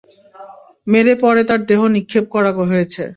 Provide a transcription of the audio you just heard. মেরে পরে তার দেহ নিক্ষেপ করা হয়েছে।